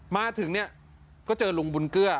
มาถึงเนี่ยก็เจอลุงบุญเกลือ